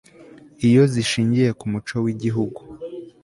iyo zishingiye ku muco w'igihugu